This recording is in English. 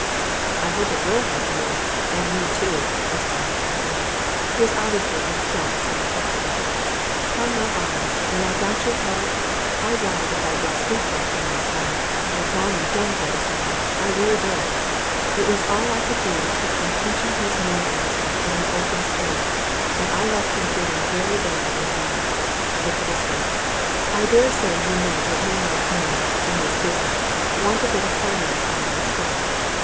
"I hope it will help you and me, too!" responded Castlemayne, who was obviously incensed and truculent. "'Pon my honour, when I got your cards, I wondered if I'd been sleep walking last night, and had gone and done for this man I really did! It was all I could do to keep from punching his nose last night in the open street, and I left him feeling very bad indeed! It's this way I dare say you know that men like me, in this business, want a bit of financing when we start.